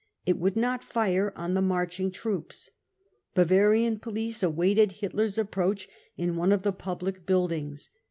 It would not fire on the marching troops. Bavarian police aWaited Hitler's approach in one of the public buildings.